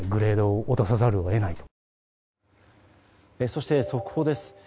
そして、速報です。